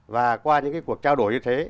và qua những cái cuộc trao đổi như thế